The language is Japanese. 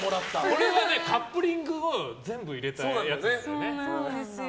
これはカップリングを全部入れたやつなんだよね。